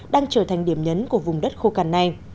đang trở thành điểm nhấn của vùng đất khô cằn này